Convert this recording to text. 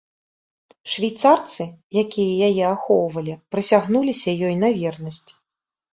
Швейцарцы, якія яе ахоўвалі, прысягнуліся ёй на вернасць.